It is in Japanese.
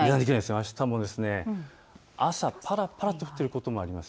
あしたも朝、ぱらぱら降っている所もあります。